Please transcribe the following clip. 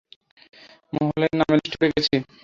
মহলের নাম লিস্টে উঠে গেছে।